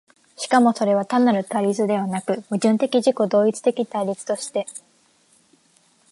しかもそれは単なる対立ではなく、矛盾的自己同一的対立として、